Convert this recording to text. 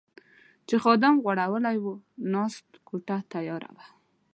چې خادم غوړولې وه، کېناست، کوټه تیاره وه.